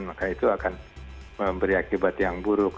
maka itu akan memberi akibat yang buruk